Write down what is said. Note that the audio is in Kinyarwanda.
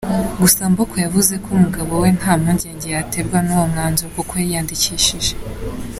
Gusa Mboko yavuze ko umugabo we nta mpungenge yaterwa n’uwo mwanzuro kuko yiyandikishije.